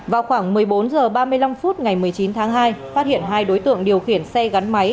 vào khoảng một mươi bốn h ba mươi năm phút ngày một mươi chín tháng hai phát hiện hai đối tượng điều khiển xe gắn máy